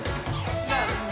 「なんだ？